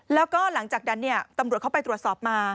แล้วก็หลังจากนั้นตำรวจเข้าไปตรวจสอบมา